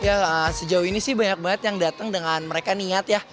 ya sejauh ini sih banyak banget yang datang dengan mereka niat ya